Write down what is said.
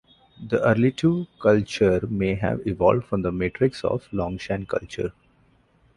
The Erlitou culture may have evolved from the matrix of Longshan culture.